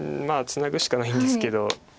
ツナぐしかないんですけど。